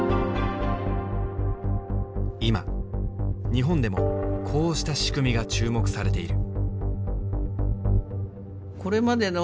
今日本でもこうした仕組みが注目されている。